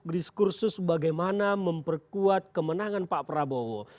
diskursus bagaimana memperkuat kemenangan pak prabowo